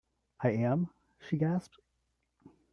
“I am!” she gasped.